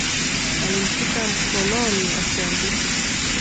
Alimshika mkononi asianguke